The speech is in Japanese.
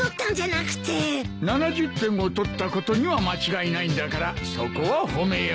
７０点を取ったことには間違いないんだからそこを褒めよう。